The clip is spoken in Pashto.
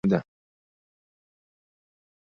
مچمچۍ له ګرده سره اشنا ده